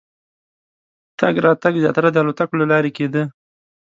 تګ راتګ زیاتره د الوتکو له لارې کېدی.